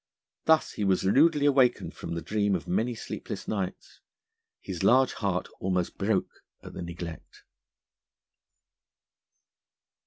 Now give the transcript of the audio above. Thus he was rudely awakened from the dream of many sleepless nights. His large heart almost broke at the neglect.